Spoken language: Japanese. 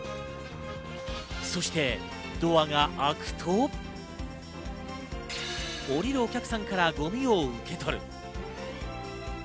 そしてドアが開くと、降りるお客さんからゴミを受け取る。